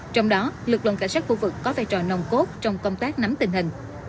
trong đó lực lượng cảnh sát khu vực có vai trò nồng cốt trong công tác nắm tình hình